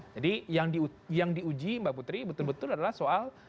jadi yang diuji mbak putri betul betul adalah soal